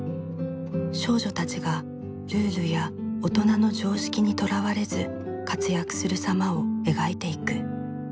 少女たちがルールや大人の常識にとらわれず活躍する様を描いていく。